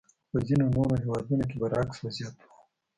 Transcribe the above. خو په ځینو نورو هېوادونو برعکس وضعیت وو.